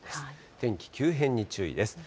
天気急変に注意です。